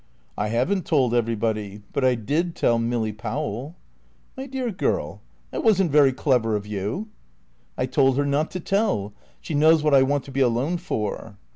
"I haven't told everybody. But I did tell Milly Powell." "My dear girl, that wasn't very clever of you." "I told her not to tell. She knows what I want to be alone for."